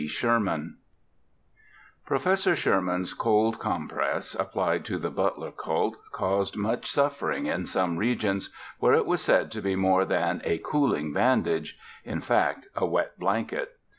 SHERMAN Professor Sherman's cold compress, applied to the Butler cult, caused much suffering in some regions, where it was said to be more than a cooling bandage in fact, a wet blanket.